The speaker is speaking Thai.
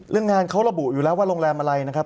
เรื่องงานเขาระบุอยู่แล้วว่าโรงแรมอะไรนะครับ